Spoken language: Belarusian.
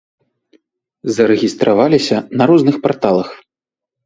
Зарэгістраваліся на розных парталах.